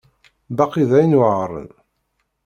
Baqi d ayen yuεren.